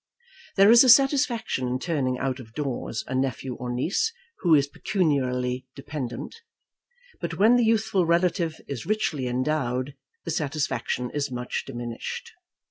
There is a satisfaction in turning out of doors a nephew or niece who is pecuniarily dependent, but when the youthful relative is richly endowed, the satisfaction is much diminished.